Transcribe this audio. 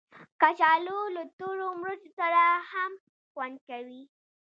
کچالو له تورو مرچو سره هم خوند کوي